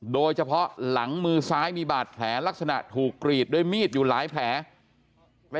โดยเฉพาะหลังมือซ้ายมีบาดแผลลักษณะถูกกรีดด้วยมีดอยู่หลายแผล